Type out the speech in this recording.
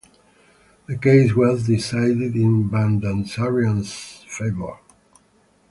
The case was decided in Bagdasarian's favor.